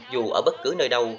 dù ở bất cứ nơi đâu